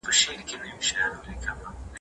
په دې غرونو کي ډېر طبیعي کانونه شتون لري.